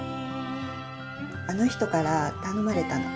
あの人から頼まれたの。